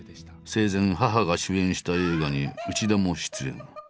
生前母が主演した映画に内田も出演。